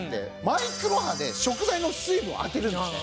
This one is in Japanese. マイクロ波で食材の水分を当てるんですね。